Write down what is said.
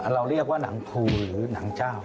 เราเรียกว่าหนังครูหรือหนังเจ้า